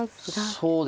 そうですね